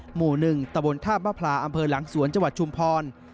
หมู่๑ตะบนธาตุมะพลาอำเภอหลังสวนจังหวัดชุมพร